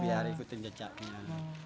biar ikutin jejaknya